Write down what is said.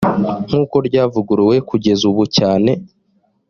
nk uko ryavuguruwe kugeza ubu cyane